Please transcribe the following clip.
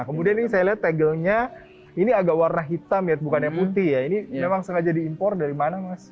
kemudian ini saya lihat tegelnya ini agak warna hitam ya bukannya putih ya ini memang sengaja diimpor dari mana mas